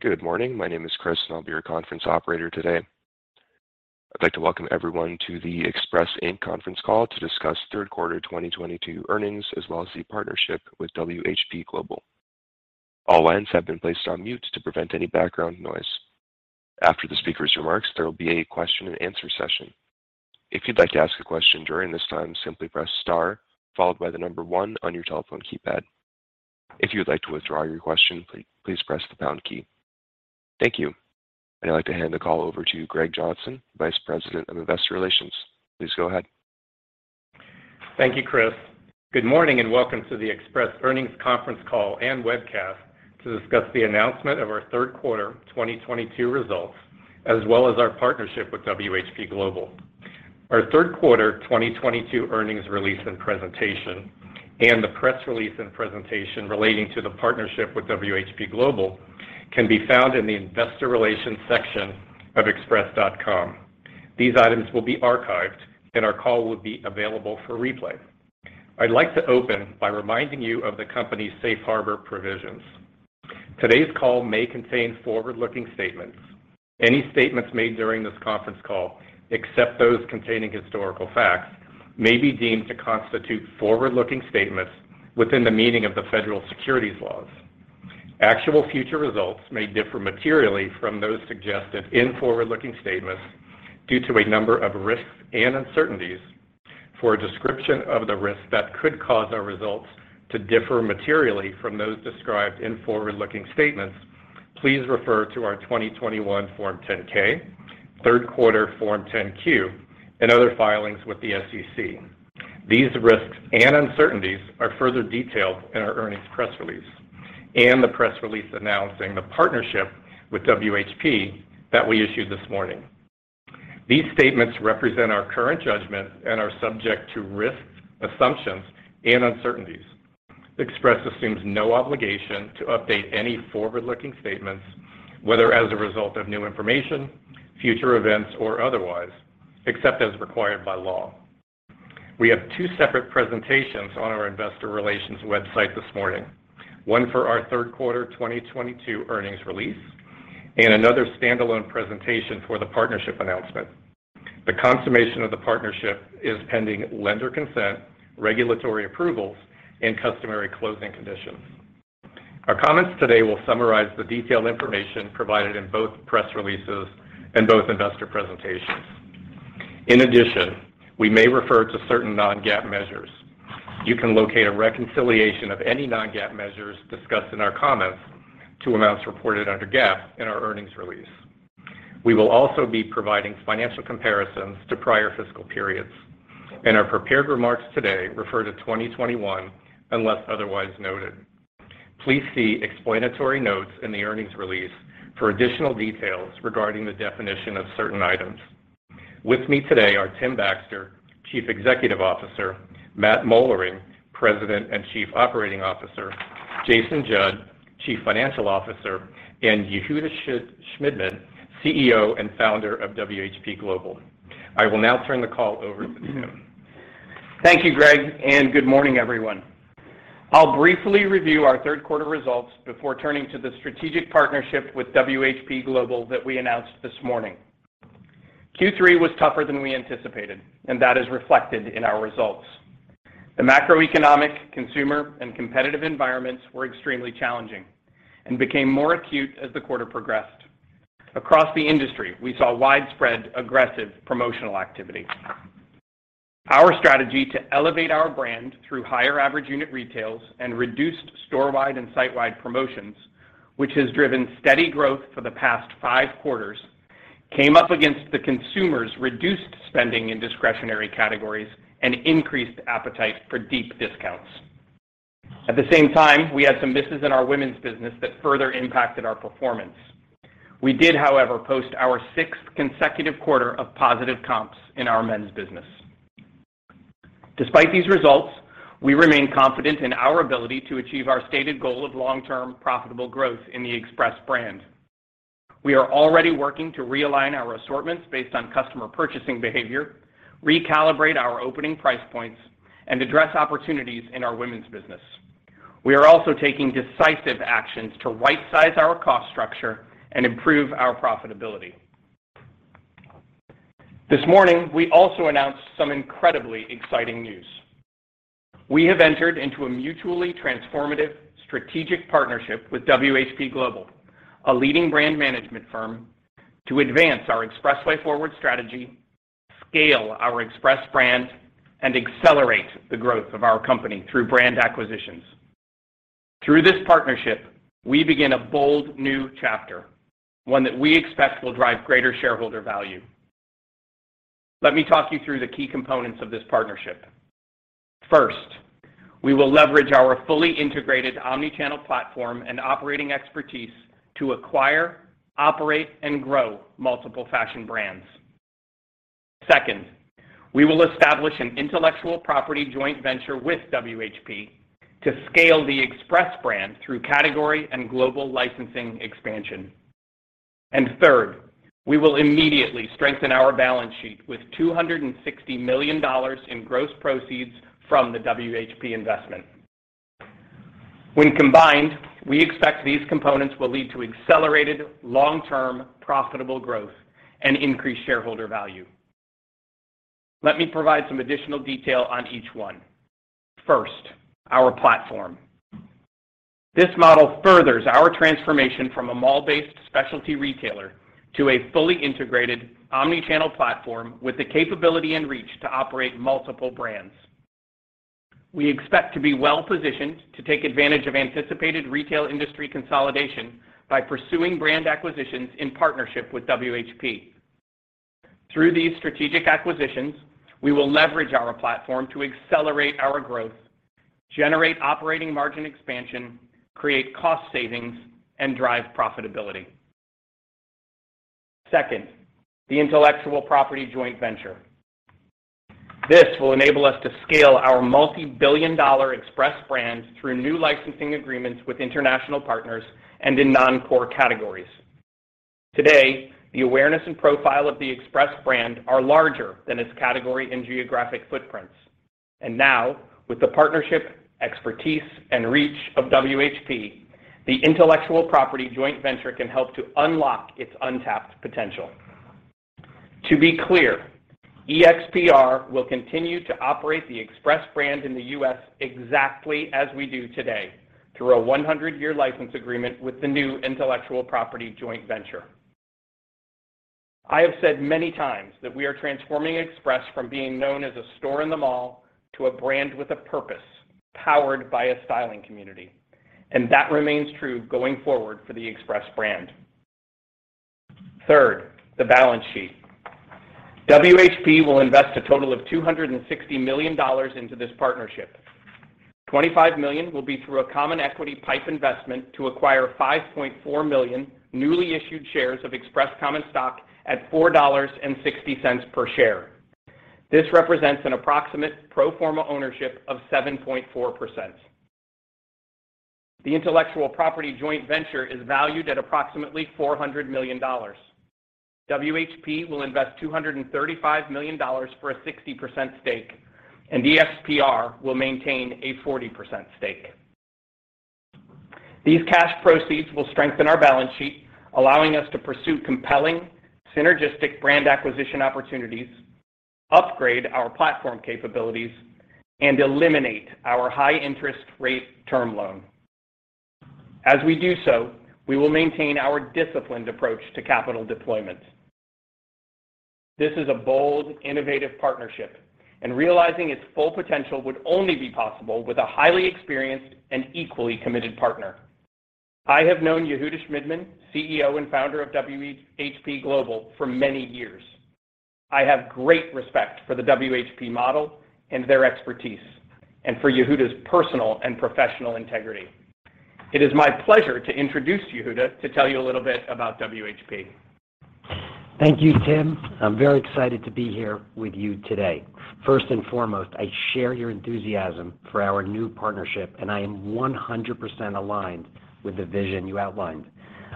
Good morning. My name is Chris, and I'll be your conference operator today. I'd like to welcome everyone to the Express, Inc conference call to discuss third quarter 2022 earnings as well as the partnership with WHP Global. All lines have been placed on mute to prevent any background noise. After the speaker's remarks, there will be a question and answer session. If you'd like to ask a question during this time, simply press star followed by one on your telephone keypad. If you would like to withdraw your question, please press the pound key. Thank you. I'd like to hand the call over to Greg Johnson, Vice President of Investor Relations. Please go ahead. Thank you, Chris. Good morning. Welcome to the Express earnings conference call and webcast to discuss the announcement of our third quarter 2022 results as well as our partnership with WHP Global. Our third quarter 2022 earnings release and presentation and the press release and presentation relating to the partnership with WHP Global can be found in the investor relations section of express.com. These items will be archived. Our call will be available for replay. I'd like to open by reminding you of the company's safe harbor provisions. Today's call may contain forward-looking statements. Any statements made during this conference call, except those containing historical facts, may be deemed to constitute forward-looking statements within the meaning of the federal securities laws. Actual future results may differ materially from those suggested in forward-looking statements due to a number of risks and uncertainties. For a description of the risks that could cause our results to differ materially from those described in forward-looking statements, please refer to our 2021 Form 10-K, third quarter Form 10-Q, and other filings with the SEC. These risks and uncertainties are further detailed in our earnings press release and the press release announcing the partnership with WHP that we issued this morning. These statements represent our current judgment and are subject to risks, assumptions, and uncertainties. Express assumes no obligation to update any forward-looking statements, whether as a result of new information, future events, or otherwise, except as required by law. We have two separate presentations on our investor relations website this morning. One for our third quarter 2022 earnings release and another standalone presentation for the partnership announcement. The consummation of the partnership is pending lender consent, regulatory approvals, and customary closing conditions. Our comments today will summarize the detailed information provided in both press releases and both investor presentations. In addition, we may refer to certain non-GAAP measures. You can locate a reconciliation of any non-GAAP measures discussed in our comments to amounts reported under GAAP in our earnings release. We will also be providing financial comparisons to prior fiscal periods, and our prepared remarks today refer to 2021 unless otherwise noted. Please see explanatory notes in the earnings release for additional details regarding the definition of certain items. With me today are Tim Baxter, Chief Executive Officer, Matthew Moellering, President and Chief Operating Officer, Jason Judd, Chief Financial Officer, and Yehuda Shmidman, CEO and Founder of WHP Global. I will now turn the call over to Tim. Thank you, Greg, and good morning, everyone. I'll briefly review our third quarter results before turning to the strategic partnership with WHP Global that we announced this morning. Q3 was tougher than we anticipated, and that is reflected in our results. The macroeconomic, consumer, and competitive environments were extremely challenging and became more acute as the quarter progressed. Across the industry, we saw widespread aggressive promotional activity. Our strategy to elevate our brand through higher average unit retails and reduced store-wide and site-wide promotions, which has driven steady growth for the past five quarters, came up against the consumer's reduced spending in discretionary categories and increased appetite for deep discounts. At the same time, we had some misses in our women's business that further impacted our performance. We did, however, post our sixth consecutive quarter of positive comps in our men's business. Despite these results, we remain confident in our ability to achieve our stated goal of long-term profitable growth in the Express brand. We are already working to realign our assortments based on customer purchasing behavior, recalibrate our opening price points, and address opportunities in our women's business. We are also taking decisive actions to right-size our cost structure and improve our profitability. This morning, we also announced some incredibly exciting news. We have entered into a mutually transformative strategic partnership with WHP Global, a leading brand management firm, to advance our Express Way Forward strategy, scale our Express brand, and accelerate the growth of our company through brand acquisitions. Through this partnership, we begin a bold new chapter, one that we expect will drive greater shareholder value. Let me talk you through the key components of this partnership. First, we will leverage our fully integrated omni-channel platform and operating expertise to acquire, operate, and grow multiple fashion brands. Second, we will establish an intellectual property joint venture with WHP to scale the Express brand through category and global licensing expansion. Third, we will immediately strengthen our balance sheet with $260 million in gross proceeds from the WHP investment. When combined, we expect these components will lead to accelerated long-term profitable growth and increased shareholder value. Let me provide some additional detail on each one. First, our platform. This model furthers our transformation from a mall-based specialty retailer to a fully integrated omni-channel platform with the capability and reach to operate multiple brands. We expect to be well-positioned to take advantage of anticipated retail industry consolidation by pursuing brand acquisitions in partnership with WHP. Through these strategic acquisitions, we will leverage our platform to accelerate our growth, generate operating margin expansion, create cost savings, and drive profitability. Second, the intellectual property joint venture. This will enable us to scale our multi-billion dollar Express brand through new licensing agreements with international partners and in non-core categories. Today, the awareness and profile of the Express brand are larger than its category and geographic footprints. Now, with the partnership, expertise, and reach of WHP, the intellectual property joint venture can help to unlock its untapped potential. To be clear, EXPR will continue to operate the Express brand in the U.S. exactly as we do today through a 100-year license agreement with the new intellectual property joint venture. I have said many times that we are transforming Express from being known as a store in the mall to a brand with a purpose powered by a styling community, and that remains true going forward for the Express brand. Third, the balance sheet. WHP will invest a total of $260 million into this partnership. $25 million will be through a common equity PIPE investment to acquire 5.4 million newly issued shares of Express common stock at $4.60 per share. This represents an approximate pro forma ownership of 7.4%. The intellectual property joint venture is valued at approximately $400 million. WHP will invest $235 million for a 60% stake. EXPR will maintain a 40% stake. These cash proceeds will strengthen our balance sheet, allowing us to pursue compelling, synergistic brand acquisition opportunities, upgrade our platform capabilities, and eliminate our high interest rate term loan. As we do so, we will maintain our disciplined approach to capital deployment. This is a bold, innovative partnership, and realizing its full potential would only be possible with a highly experienced and equally committed partner. I have known Yehuda Shmidman, CEO and Founder of WHP Global, for many years. I have great respect for the WHP model and their expertise, and for Yehuda's personal and professional integrity. It is my pleasure to introduce Yehuda to tell you a little bit about WHP. Thank you, Tim. I'm very excited to be here with you today. First and foremost, I share your enthusiasm for our new partnership, and I am 100% aligned with the vision you outlined.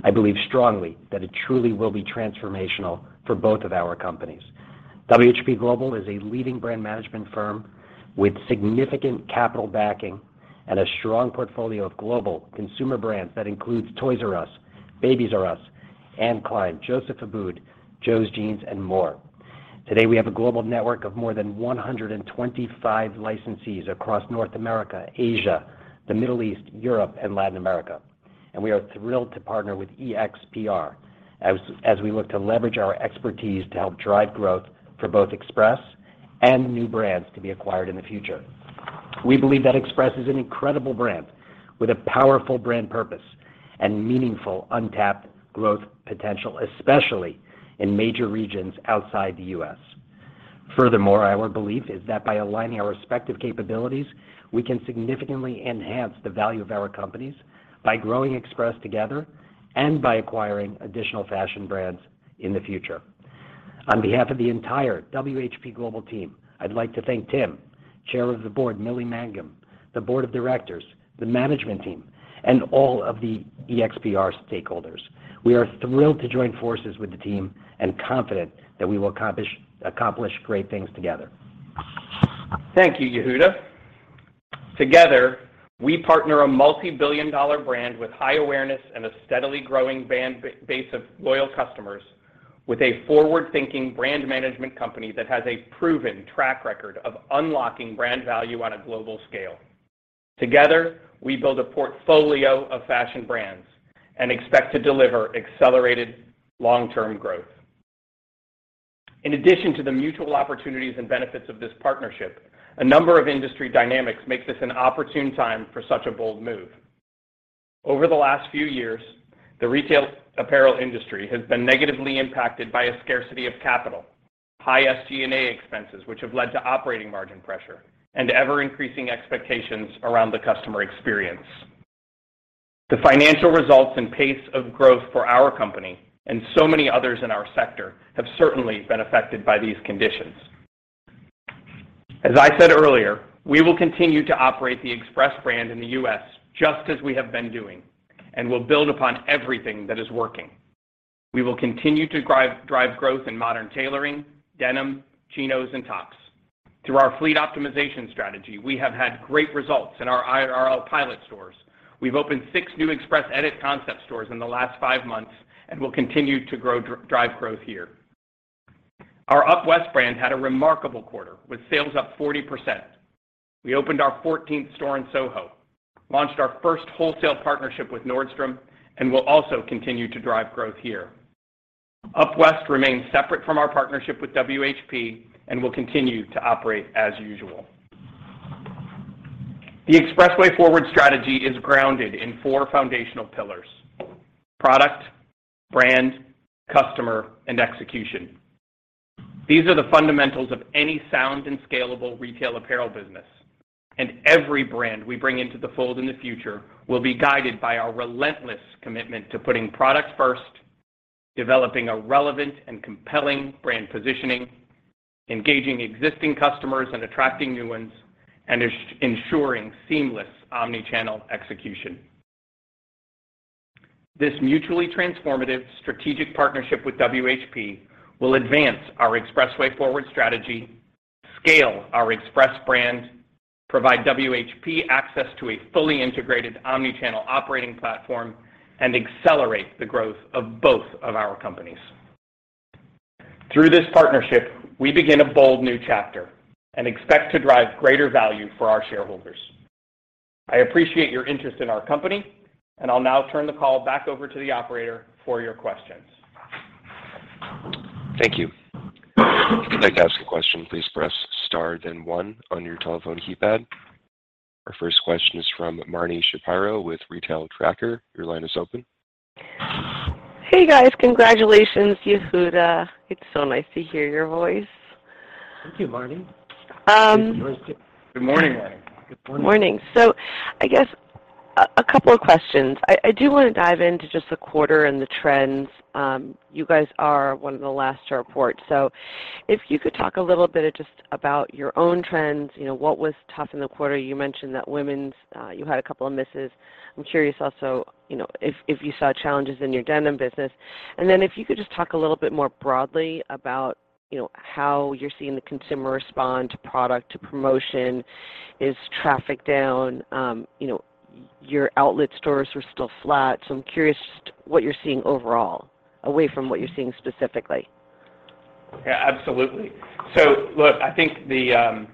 I believe strongly that it truly will be transformational for both of our companies. WHP Global is a leading brand management firm with significant capital backing and a strong portfolio of global consumer brands that includes Toys R Us, Babies R Us, Anne Klein, Joseph Abboud, Joe's Jeans, and more. Today, we have a global network of more than 125 licensees across North America, Asia, the Middle East, Europe, and Latin America. We are thrilled to partner with EXPR as we look to leverage our expertise to help drive growth for both Express and new brands to be acquired in the future. We believe that Express is an incredible brand with a powerful brand purpose and meaningful untapped growth potential, especially in major regions outside the U.S. Our belief is that by aligning our respective capabilities, we can significantly enhance the value of our companies by growing Express together and by acquiring additional fashion brands in the future. On behalf of the entire WHP Global team, I'd like to thank Tim, Chair of the Board, Mylle Mangum, the board of directors, the management team, and all of the EXPR stakeholders. We are thrilled to join forces with the team and confident that we will accomplish great things together. Thank you, Yehuda. Together, we partner a multi-billion dollar brand with high awareness and a steadily growing brand base of loyal customers with a forward-thinking brand management company that has a proven track record of unlocking brand value on a global scale. Together, we build a portfolio of fashion brands and expect to deliver accelerated long-term growth. In addition to the mutual opportunities and benefits of this partnership, a number of industry dynamics make this an opportune time for such a bold move. Over the last few years, the retail apparel industry has been negatively impacted by a scarcity of capital, high SG&A expenses, which have led to operating margin pressure and ever-increasing expectations around the customer experience. The financial results and pace of growth for our company and so many others in our sector have certainly been affected by these conditions. As I said earlier, we will continue to operate the Express brand in the U.S. just as we have been doing, and we'll build upon everything that is working. We will continue to drive growth in modern tailoring, denim, chinos, and tops. Through our fleet optimization strategy, we have had great results in our IRL pilot stores. We've opened six new Express Edit concept stores in the last five months and will continue to drive growth here. Our UpWest brand had a remarkable quarter, with sales up 40%. We opened our 14th store in SoHo, launched our first wholesale partnership with Nordstrom, and will also continue to drive growth here. UpWest remains separate from our partnership with WHP and will continue to operate as usual. The Express Way Forward strategy is grounded in four foundational pillars: product, brand, customer, and execution. Every brand we bring into the fold in the future will be guided by our relentless commitment to putting products first, developing a relevant and compelling brand positioning, engaging existing customers and attracting new ones, and ensuring seamless omni-channel execution. This mutually transformative strategic partnership with WHP will advance our Express Way Forward strategy, scale our Express brand, provide WHP access to a fully integrated omni-channel operating platform, and accelerate the growth of both of our companies. Through this partnership, we begin a bold new chapter and expect to drive greater value for our shareholders. I appreciate your interest in our company, and I'll now turn the call back over to the operator for your questions. Thank you. If you'd like to ask a question, please press star then one on your telephone keypad. Our first question is from Marni Shapiro with Retail Tracker. Your line is open. Hey, guys. Congratulations. Yehuda, it's so nice to hear your voice. Thank you, Marni. Um- Good morning. Morning. I guess a couple of questions. I do wanna dive into just the quarter and the trends. You guys are one of the last to report. If you could talk a little bit just about your own trends, you know, what was tough in the quarter. You mentioned that women's, you had a couple of misses. I'm curious also, you know, if you saw challenges in your denim business. If you could just talk a little bit more broadly about, you know, how you're seeing the consumer respond to product, to promotion. Is traffic down? You know, your outlet stores are still flat. I'm curious just what you're seeing overall, away from what you're seeing specifically. Yeah, absolutely. Look, I think the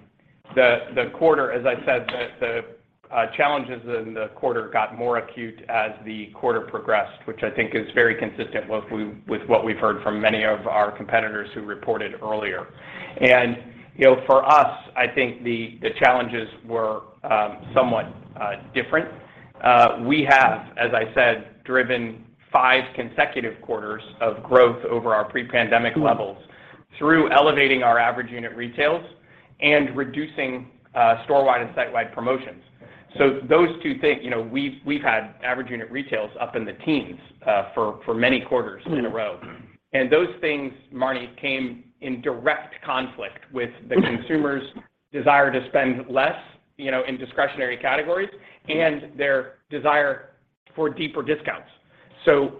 quarter, as I said, the challenges in the quarter got more acute as the quarter progressed, which I think is very consistent with what we've heard from many of our competitors who reported earlier. You know, for us, I think the challenges were somewhat different. We have, as I said, driven five consecutive quarters of growth over our pre-pandemic levels through elevating our average unit retails and reducing store-wide and site-wide promotions. Those two things, you know, we've had average unit retails up in the teens for many quarters in a row. Those things, Marni, came in direct conflict with the consumer's desire to spend less, you know, in discretionary categories and their desire for deeper discounts.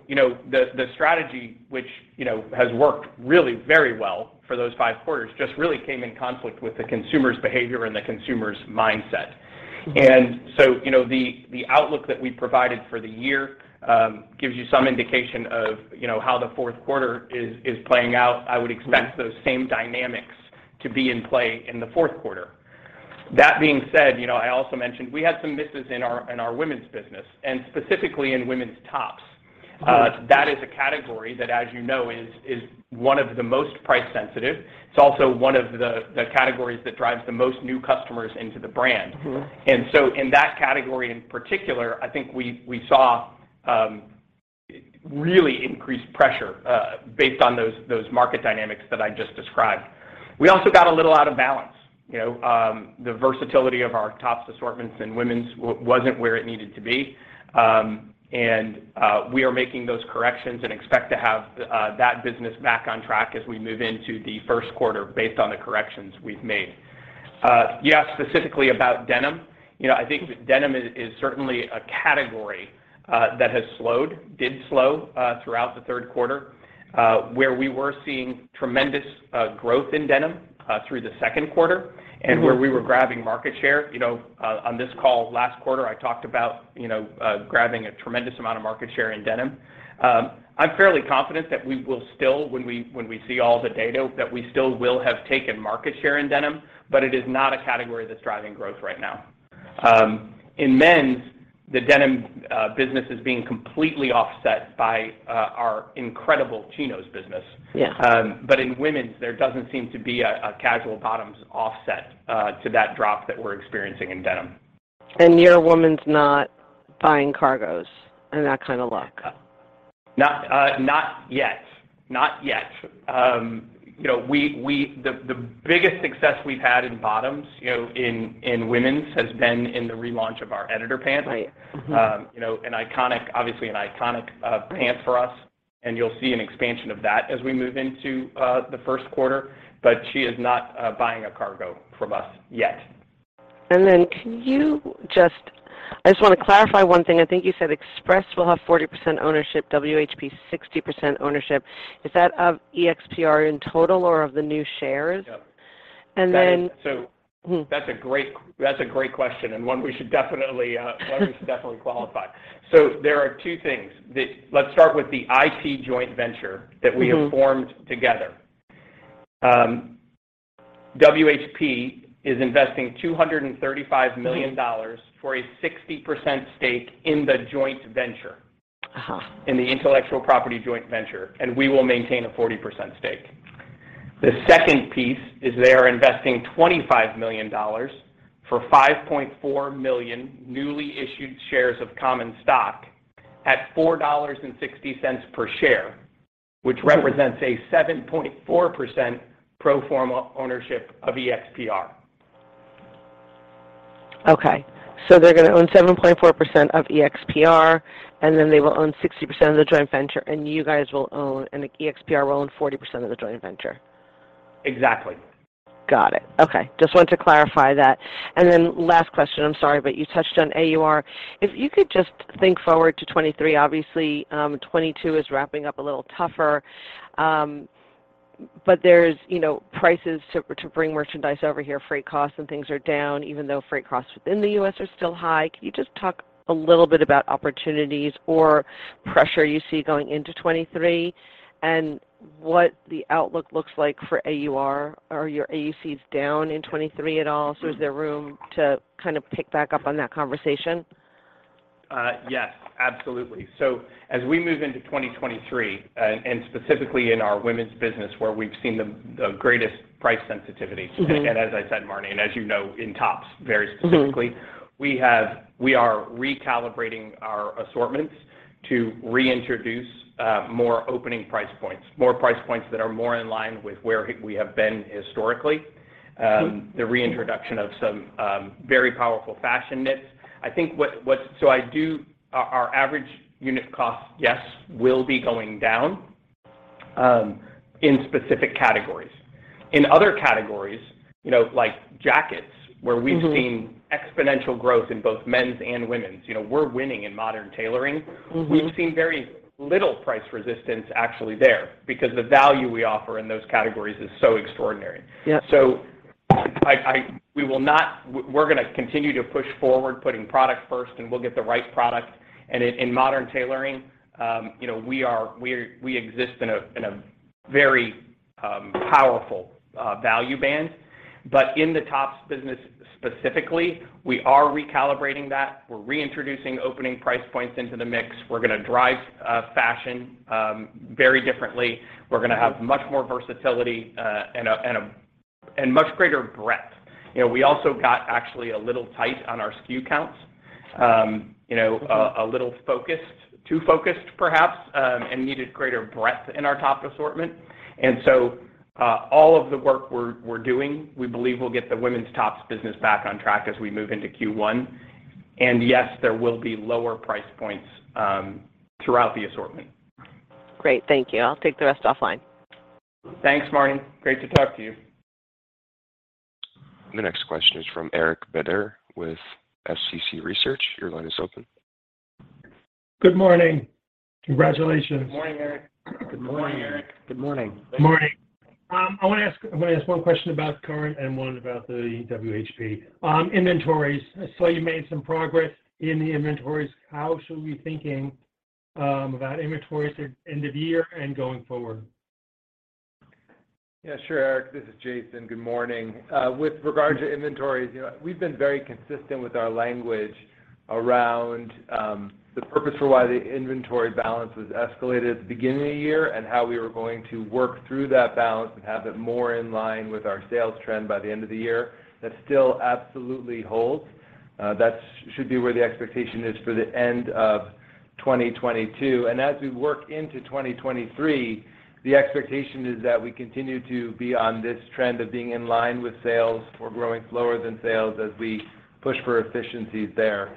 You know, the strategy which, you know, has worked really very well for those five quarters, just really came in conflict with the consumer's behavior and the consumer's mindset. You know, the outlook that we provided for the year, gives you some indication of, you know, how the fourth quarter is playing out. I would expect those same dynamics to be in play in the fourth quarter. That being said, you know, I also mentioned we had some misses in our women's business and specifically in women's tops. That is a category that, as you know, is one of the most price sensitive. It's also one of the categories that drives the most new customers into the brand. Mm-hmm. In that category in particular, I think we saw really increased pressure based on those market dynamics that I just described. We also got a little out of balance. You know, the versatility of our tops assortments in women's wasn't where it needed to be. We are making those corrections and expect to have that business back on track as we move into the first quarter based on the corrections we've made. You asked specifically about denim. You know, I think denim is certainly a category that has slowed, did slow throughout the third quarter, where we were seeing tremendous growth in denim through the second quarter and where we were grabbing market share. You know, on this call last quarter, I talked about, you know, grabbing a tremendous amount of market share in denim. I'm fairly confident that we will still, when we see all the data, that we still will have taken market share in denim, but it is not a category that's driving growth right now. In men's, the denim business is being completely offset by our incredible chinos business. Yeah. In women's, there doesn't seem to be a casual bottoms offset to that drop that we're experiencing in denim. Your women's not buying cargos and that kind of look? Not, not yet. Not yet. you know, the biggest success we've had in bottoms, you know, in women's, has been in the relaunch of our Editor Pants. Right. Mm-hmm. You know, an iconic, obviously an iconic, pants for us. You'll see an expansion of that as we move into, the first quarter. She is not buying a cargo from us yet. I just want to clarify one thing. I think you said Express will have 40% ownership, WHP 60% ownership. Is that of EXPR in total or of the new shares? Yep. And then- That's a great, that's a great question, and one we should definitely, one we should definitely qualify. There are two things. Let's start with the IT joint venture that we have formed together. WHP is investing $235 million for a 60% stake in the joint venture. Uh-huh. In the intellectual property joint venture, we will maintain a 40% stake. The second piece is they are investing $25 million for 5.4 million newly issued shares of common stock at $4.60 per share, which represents a 7.4% pro forma ownership of EXPR. Okay. They're gonna own 7.4% of EXPR, and then they will own 60% of the joint venture. EXPR will own 40% of the joint venture. Exactly. Got it. Okay. Just wanted to clarify that. Last question. I'm sorry, you touched on AUR. If you could just think forward to 2023. Obviously, 2022 is wrapping up a little tougher. There's, you know, prices to bring merchandise over here, freight costs and things are down, even though freight costs within the U.S. are still high. Can you just talk a little bit about opportunities or pressure you see going into 2023 and what the outlook looks like for AUR? Are your AUCs down in 2023 at all? Is there room to kind of pick back up on that conversation? Yes, absolutely. As we move into 2023, and specifically in our women's business, where we've seen the greatest price sensitivity, and as I said, Marni, and as you know, in tops very specifically, we are recalibrating our assortments to reintroduce more opening price points, more price points that are more in line with where we have been historically, the reintroduction of some very powerful fashion knits. I think what... I do... Our average unit cost, yes, will be going down in specific categories. In other categories, you know, like jackets, where we've seen exponential growth in both men's and women's, you know, we're winning in modern tailoring. Mm-hmm. We've seen very little price resistance actually there because the value we offer in those categories is so extraordinary. Yeah. We're gonna continue to push forward, putting product first, and we'll get the right product. In modern tailoring, you know, we exist in a very powerful value band. In the tops business specifically, we are recalibrating that. We're reintroducing opening price points into the mix. We're gonna drive fashion very differently. We're gonna have much more versatility and much greater breadth. You know, we also got actually a little tight on our SKU counts, you know, a little focused, too focused perhaps, and needed greater breadth in our top assortment. All of the work we're doing, we believe will get the women's tops business back on track as we move into Q1. Yes, there will be lower price points, throughout the assortment. Great. Thank you. I'll take the rest offline. Thanks, Marni. Great to talk to you. The next question is from Eric Beder with SCC Research. Your line is open. Good morning. Congratulations. Good morning, Eric. Good morning, Eric. Good morning. Morning. I wanna ask one question about current and one about the WHP. Inventories. I saw you made some progress in the inventories. How should we be thinking about inventories at end of year and going forward? Yeah, sure, Eric. This is Jason. Good morning. With regards to inventories, you know, we've been very consistent with our language around the purpose for why the inventory balance was escalated at the beginning of the year and how we were going to work through that balance and have it more in line with our sales trend by the end of the year. That still absolutely holds. That should be where the expectation is for the end of 2022. As we work into 2023, the expectation is that we continue to be on this trend of being in line with sales or growing slower than sales as we push for efficiencies there.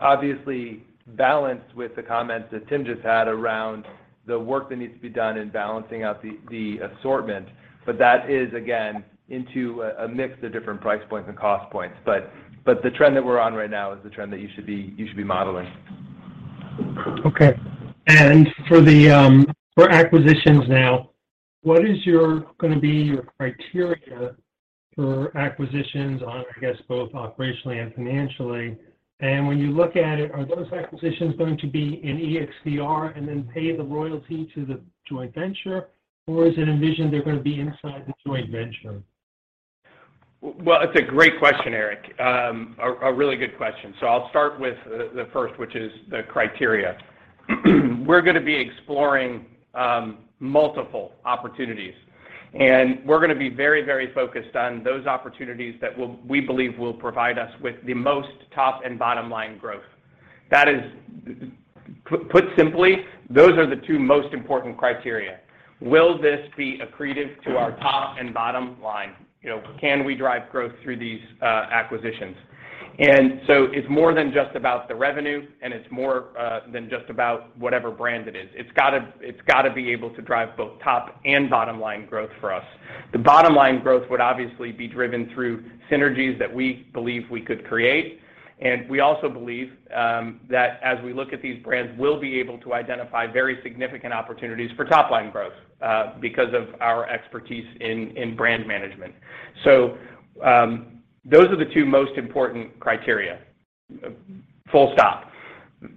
obviously balanced with the comments that Tim just had around the work that needs to be done in balancing out the assortment, but that is again, into a mix of different price points and cost points. The trend that we're on right now is the trend that you should be modeling. For the for acquisitions now, what is your gonna be your criteria for acquisitions on, I guess, both operationally and financially? When you look at it, are those acquisitions going to be in EXPR and then pay the royalty to the joint venture, or is it envisioned they're gonna be inside the joint venture? Well, it's a great question, Eric. A really good question. I'll start with the first, which is the criteria. We're gonna be exploring multiple opportunities, and we're gonna be very, very focused on those opportunities we believe will provide us with the most top and bottom line growth. That is. Put simply, those are the two most important criteria. Will this be accretive to our top and bottom line? You know, can we drive growth through these acquisitions? it's more than just about the revenue, and it's more than just about whatever brand it is. It's gotta be able to drive both top and bottom line growth for us. The bottom line growth would obviously be driven through synergies that we believe we could create. We also believe that as we look at these brands, we'll be able to identify very significant opportunities for top line growth because of our expertise in brand management. Those are the two most important criteria. Full stop.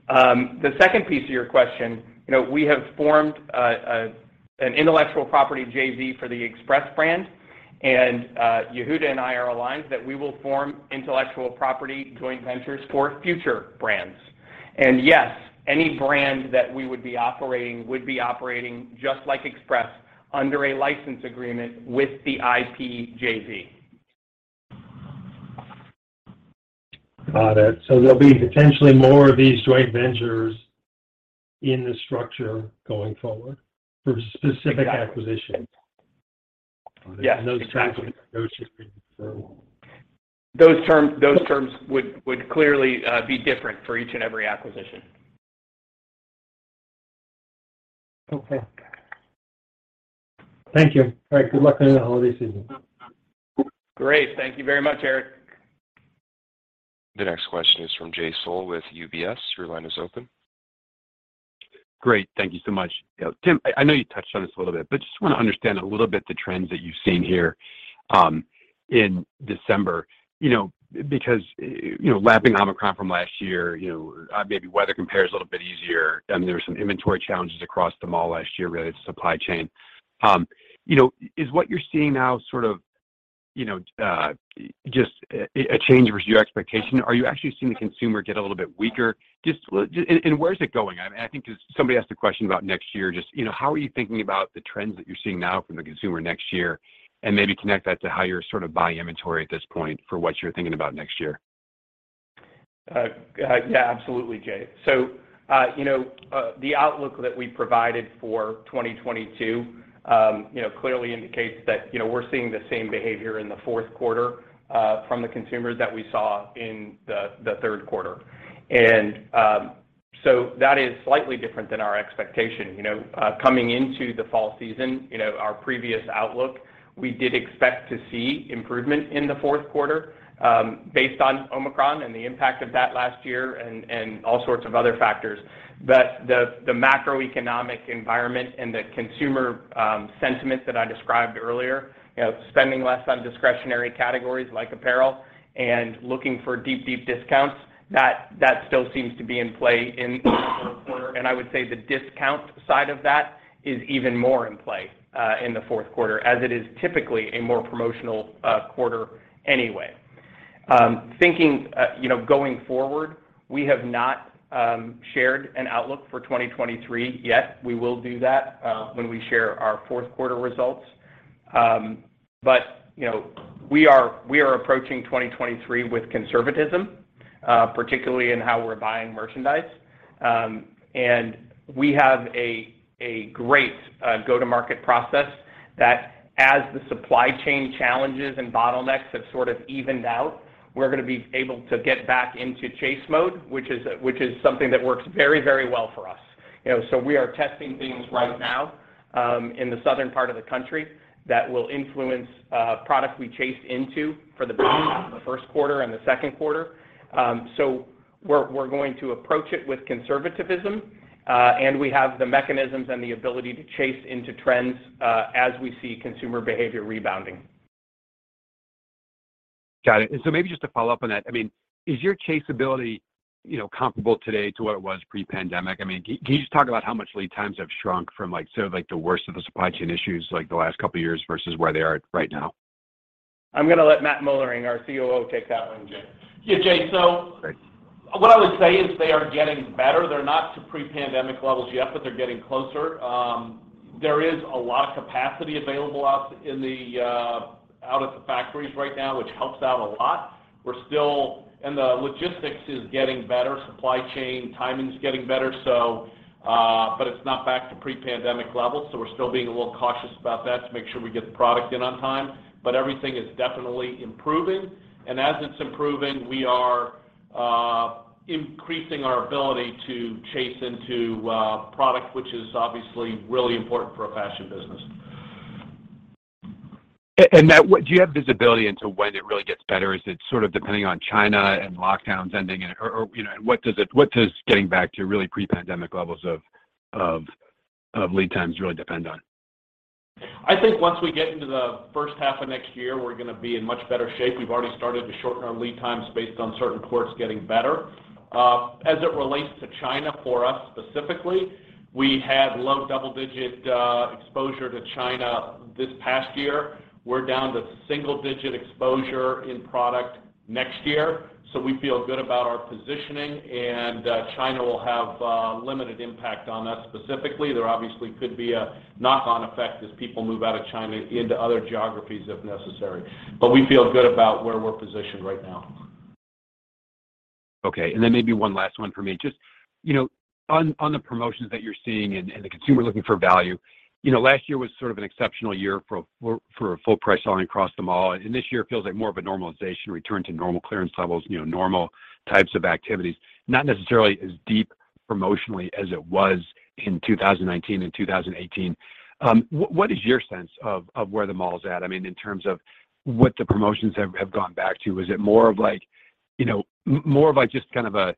The second piece of your question, you know, we have formed an intellectual property JV for the Express brand, and Yehuda and I are aligned that we will form intellectual property joint ventures for future brands. Yes, any brand that we would be operating would be operating just like Express under a license agreement with the IP JV. Got it. There'll be potentially more of these joint ventures in the structure going forward for specific acquisitions. Yes. Exactly. Those terms. Those terms would clearly be different for each and every acquisition. Okay. Thank you. All right. Good luck on the holiday season. Great. Thank you very much, Eric. The next question is from Jay Sole with UBS. Your line is open. Great. Thank you so much. Tim, I know you touched on this a little bit, but just wanna understand a little bit the trends that you've seen here in December. You know, because, you know, lapping Omicron from last year, you know, maybe weather compares a little bit easier, and there were some inventory challenges across the mall last year related to supply chain. You know, is what you're seeing now sort of, you know, just a change versus your expectation? Are you actually seeing the consumer get a little bit weaker? Where is it going? I think 'cause somebody asked a question about next year, just, you know, how are you thinking about the trends that you're seeing now from the consumer next year, and maybe connect that to how you're sort of buying inventory at this point for what you're thinking about next year? Yeah, absolutely, Jay. The outlook that we provided for 2022, you know, clearly indicates that, you know, we're seeing the same behavior in the fourth quarter from the consumers that we saw in the third quarter. That is slightly different than our expectation. You know, coming into the fall season, you know, our previous outlook, we did expect to see improvement in the fourth quarter based on Omicron and the impact of that last year and all sorts of other factors. The macroeconomic environment and the consumer sentiment that I described earlier, you know, spending less on discretionary categories like apparel and looking for deep, deep discounts, that still seems to be in play in the fourth quarter. I would say the discount side of that is even more in play in the fourth quarter as it is typically a more promotional quarter anyway. Thinking, you know, going forward, we have not shared an outlook for 2023 yet. We will do that when we share our fourth quarter results. You know, we are approaching 2023 with conservatism, particularly in how we're buying merchandise. We have a great go-to-market process that as the supply chain challenges and bottlenecks have sort of evened out, we're gonna be able to get back into chase mode, which is something that works very, very well for us. You know, we are testing things right now, in the southern part of the country that will influence product we chase into for the first quarter and the second quarter. We're going to approach it with conservativism, and we have the mechanisms and the ability to chase into trends as we see consumer behavior rebounding. Got it. Maybe just to follow up on that. I mean, is your chase ability, you know, comparable today to what it was pre-pandemic? I mean, can you just talk about how much lead times have shrunk from, like, sort of, like, the worst of the supply chain issues, like, the last couple of years versus where they are at right now? I'm gonna let Matt Moellering, our COO, take that one, Jay. Yeah, Jay. Great. What I would say is they are getting better. They're not to pre-pandemic levels yet, but they're getting closer. There is a lot of capacity available out in the out at the factories right now, which helps out a lot. The logistics is getting better, supply chain timing is getting better, so, but it's not back to pre-pandemic levels, so we're still being a little cautious about that to make sure we get the product in on time. Everything is definitely improving. As it's improving, we are increasing our ability to chase into product, which is obviously really important for a fashion business. Matt, do you have visibility into when it really gets better? Is it sort of depending on China and lockdowns ending, you know, and what does getting back to really pre-pandemic levels of lead times really depend on? I think once we get into the first half of next year, we're gonna be in much better shape. We've already started to shorten our lead times based on certain ports getting better. As it relates to China, for us specifically, we had low double-digit exposure to China this past year. We're down to single digit exposure in product next year, so we feel good about our positioning, and China will have limited impact on us specifically. There obviously could be a knock-on effect as people move out of China into other geographies if necessary. We feel good about where we're positioned right now. Okay. Then maybe one last one for me. Just, you know, on the promotions that you're seeing and the consumer looking for value, you know, last year was sort of an exceptional year for full price selling across the mall. This year feels like more of a normalization return to normal clearance levels, you know, normal types of activities, not necessarily as deep promotionally as it was in 2019 and 2018. What is your sense of where the mall's at? I mean, in terms of what the promotions have gone back to. Is it more of like, you know, more of like just kind of a,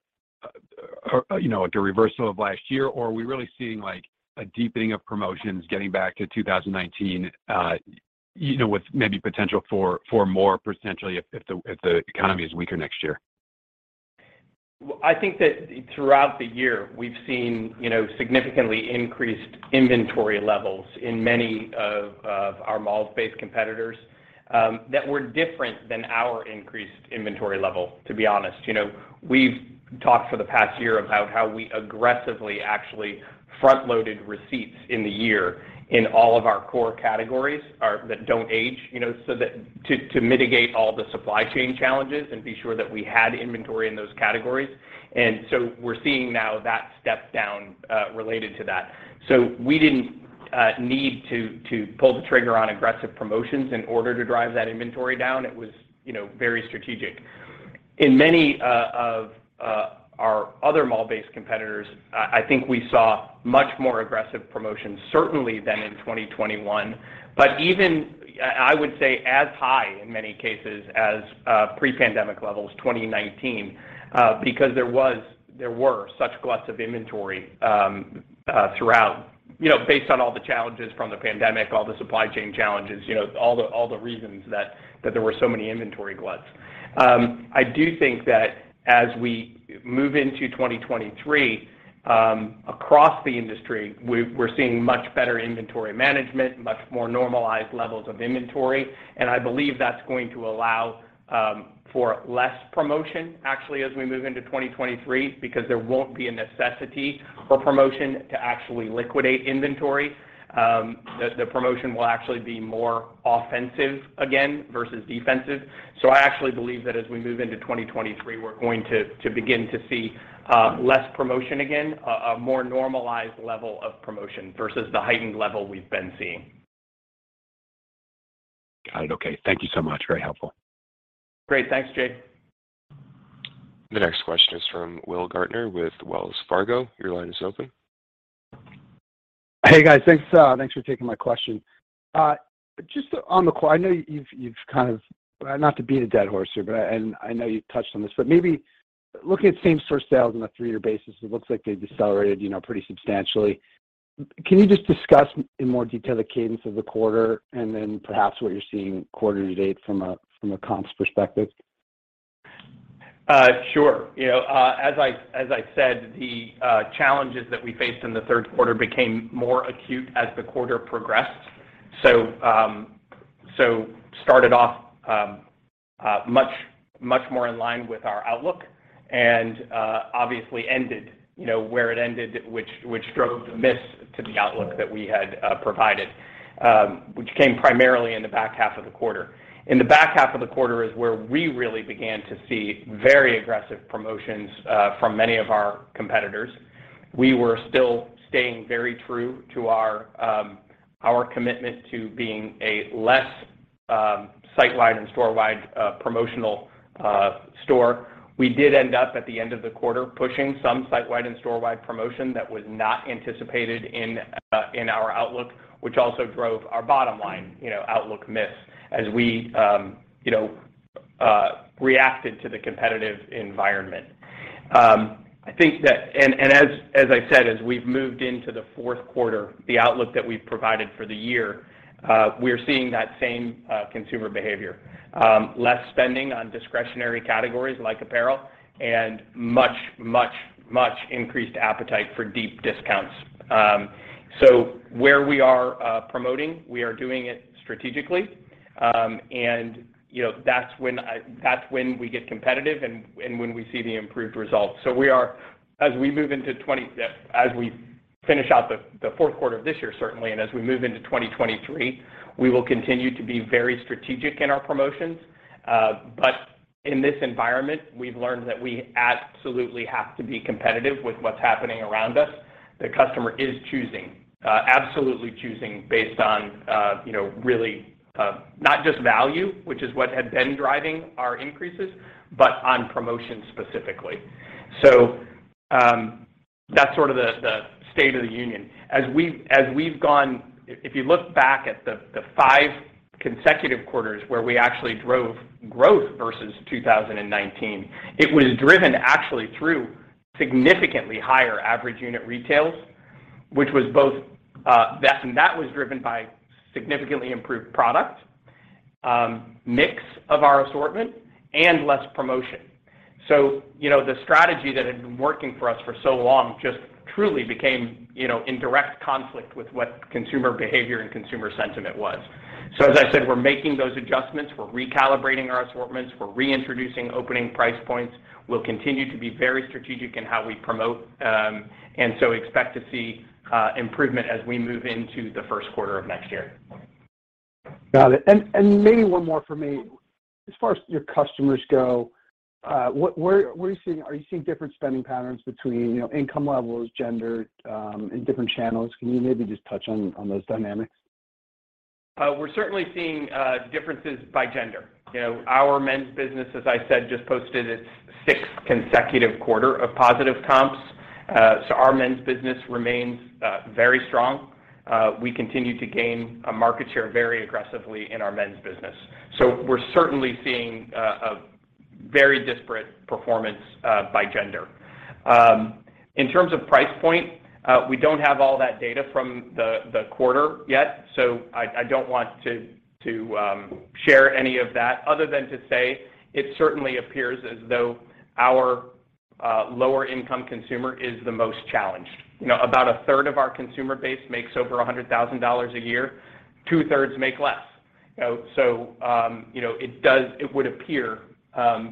you know, like a reversal of last year? Are we really seeing like a deepening of promotions getting back to 2019, you know, with maybe potential for more percentually if the, if the economy is weaker next year? Well, I think that throughout the year we've seen, you know, significantly increased inventory levels in many of our mall's base competitors, that were different than our increased inventory level, to be honest. You know, we've talked for the past year about how we aggressively actually front-loaded receipts in the year in all of our core categories that don't age, you know, so that to mitigate all the supply chain challenges and be sure that we had inventory in those categories. We didn't need to pull the trigger on aggressive promotions in order to drive that inventory down. It was, you know, very strategic. In many of our other mall-based competitors, I think we saw much more aggressive promotions certainly than in 2021. Even I would say as high in many cases as pre-pandemic levels, 2019, because there were such gluts of inventory throughout... you know, based on all the challenges from the pandemic, all the supply chain challenges, you know, all the, all the reasons that there were so many inventory gluts. I do think that as we move into 2023, across the industry, we're seeing much better inventory management, much more normalized levels of inventory. I believe that's going to allow for less promotion actually as we move into 2023 because there won't be a necessity for promotion to actually liquidate inventory. The promotion will actually be more offensive again versus defensive. I actually believe that as we move into 2023, we're going to begin to see less promotion again, a more normalized level of promotion versus the heightened level we've been seeing. Got it. Okay. Thank you so much. Very helpful. Great. Thanks, Jay. The next question is from Will Gaertner with Wells Fargo. Your line is open. Hey guys, thanks for taking my question. Just on the call, I know you've kind of not to beat a dead horse here, but and I know you've touched on this, but maybe looking at same store sales on a three-year basis, it looks like they decelerated, you know, pretty substantially. Can you just discuss in more detail the cadence of the quarter and then perhaps what you're seeing quarter to date from a comps perspective? Sure. You know, as I said, the challenges that we faced in the third quarter became more acute as the quarter progressed. Started off much more in line with our outlook and obviously ended, you know, where it ended, which drove the miss to the outlook that we had provided, which came primarily in the back half of the quarter. In the back half of the quarter is where we really began to see very aggressive promotions from many of our competitors. We were still staying very true to our commitment to being a less site-wide and store-wide promotional store. We did end up at the end of the quarter pushing some site-wide and store-wide promotion that was not anticipated in our outlook, which also drove our bottom line, you know, outlook miss as we, you know, reacted to the competitive environment. I think that and as I said, as we've moved into the fourth quarter, the outlook that we've provided for the year, we're seeing that same consumer behavior. Less spending on discretionary categories like apparel and much increased appetite for deep discounts. Where we are, promoting, we are doing it strategically. And, you know, that's when we get competitive and when we see the improved results. We are... as we finish out the fourth quarter of this year, certainly, and as we move into 2023, we will continue to be very strategic in our promotions. But in this environment we've learned that we absolutely have to be competitive with what's happening around us. The customer is choosing, absolutely choosing based on, you know, really, not just value, which is what had been driving our increases, but on promotion specifically. That's sort of the state of the union. As we've gone... if you look back at the five consecutive quarters where we actually drove growth versus 2019, it was driven actually through significantly higher average unit retails, which was both, and that was driven by significantly improved product mix of our assortment and less promotion. You know, the strategy that had been working for us for so long just truly became, you know, in direct conflict with what consumer behavior and consumer sentiment was. As I said, we're making those adjustments. We're recalibrating our assortments. We're reintroducing opening price points. We'll continue to be very strategic in how we promote. Expect to see improvement as we move into the first quarter of next year. Got it. Maybe one more for me. As far as your customers go, where are you seeing different spending patterns between, you know, income levels, gender, and different channels? Can you maybe just touch on those dynamics? We're certainly seeing differences by gender. You know, our men's business, as I said, just posted its sixth consecutive quarter of positive comps. Our men's business remains very strong. We continue to gain a market share very aggressively in our men's business. We're certainly seeing a very disparate performance by gender. In terms of price point, we don't have all that data from the quarter yet, so I don't want to share any of that other than to say it certainly appears as though our lower income consumer is the most challenged. You know, about a third of our consumer base makes over $100,000 a year, two thirds make less. You know, you know, it would appear,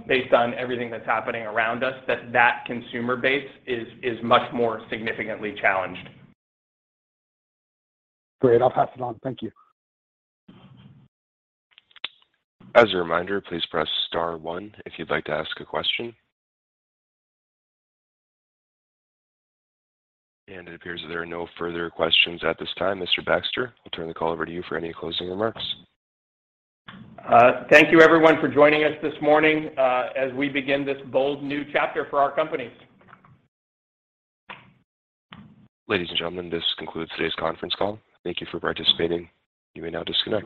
based on everything that's happening around us, that that consumer base is much more significantly challenged. Great. I'll pass it on. Thank you. As a reminder, please press star one if you'd like to ask a question. It appears there are no further questions at this time. Mr. Baxter, I'll turn the call over to you for any closing remarks. Thank you everyone for joining us this morning, as we begin this bold new chapter for our company. Ladies and gentlemen, this concludes today's conference call. Thank you for participating. You may now disconnect.